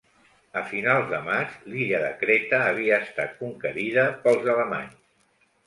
A finals de maig, l'illa de Creta havia estat conquerida pels alemanys.